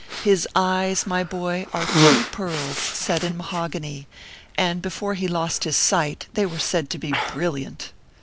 His eyes, my boy, are two pearls, set in mahogany, and before he lost his sight, they were said to be brilliant.